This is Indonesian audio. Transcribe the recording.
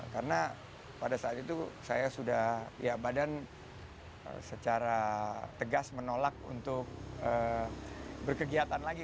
karena pada saat itu saya sudah ya badan secara tegas menolak untuk berkegiatan lagi